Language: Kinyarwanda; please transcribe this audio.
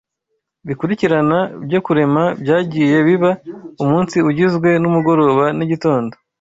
bikurikirana byo kurema byagiye biba umunsi ugizwe n’umugoroba n’igitondo